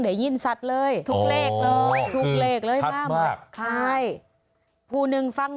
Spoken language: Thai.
ได้ยินตามที่เราได้ยิน